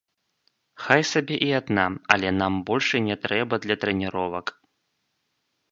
Хай сабе і адна, але нам больш і не трэба для трэніровак.